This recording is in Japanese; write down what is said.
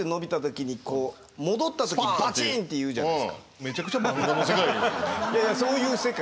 めちゃくちゃ漫画の世界。